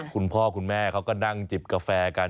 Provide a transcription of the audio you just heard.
คุณพ่อคุณแม่เขาก็นั่งจิบกาแฟกัน